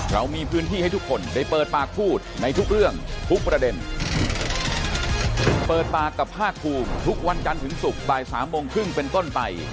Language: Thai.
เรามีพื้นที่ให้ทุกคนได้เปิดปากพูดในทุกเรื่องทุกประเด็นเปิดปากกับภาคภูมิทุกวันจันทร์ถึงศุกร์บ่ายสามโมงครึ่งเป็นต้นไป